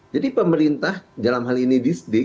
jadi pemerintah dalam hal ini